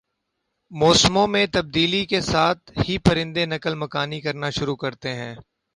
موسموں میں تبدیلی کے ساتھ ہی پرندے نقل مکانی کرنا شروع کرتے ہیں